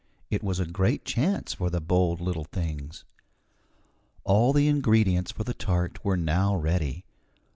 It was a great chance for the bold little things. All the ingredients for the tart were now ready.